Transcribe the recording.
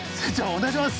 お願いします！